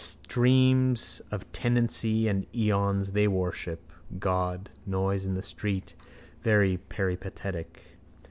Streams of tendency and eons they worship. God: noise in the street: very peripatetic.